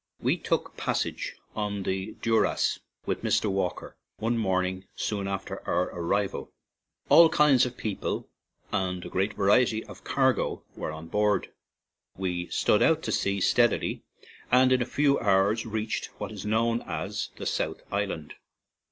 We took passage on the Duras with Mr. Walker one morning soon after our ar rival. All kinds of people and a great variety of cargo were on board. We stood out to sea steadily, and in a few hours reached what is known as the South Island.